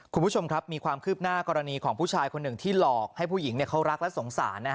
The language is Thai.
คุณผู้ชมครับมีความคืบหน้ากรณีของผู้ชายคนหนึ่งที่หลอกให้ผู้หญิงเขารักและสงสาร